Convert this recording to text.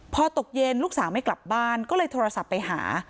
พอตกเย็นลูกสาวไม่กลับบ้านก็เลยโทรศัพท์ไปหา